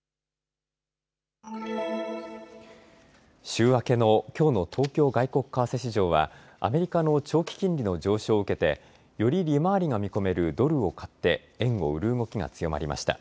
週明けのきょうの東京外国為替市場はアメリカの長期金利の上昇を受けてより利回りが見込めるドルを買って円を売る動きが強まりました。